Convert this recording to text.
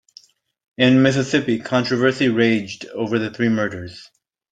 In Mississippi, controversy raged over the three murders.